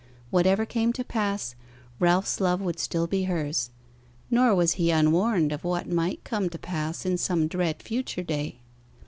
Whatever came to pass, Ralph's love would still be hers; nor was he unwarned of what might come to pass in some dread future day.